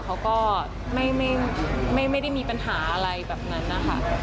เขาก็ไม่ได้มีปัญหาอะไรแบบนั้นนะคะ